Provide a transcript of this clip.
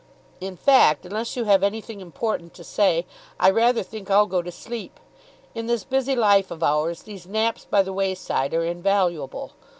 In fact, unless you have anything important to say, I rather think I'll go to sleep. In this busy life of ours these naps by the wayside are invaluable.